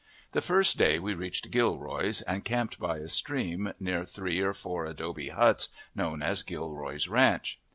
The first day we reached Gilroy's and camped by a stream near three or four adobe huts known as Gilroy's ranch.